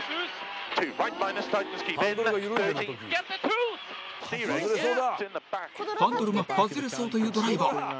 ハンドルが外れそうと言うドライバー。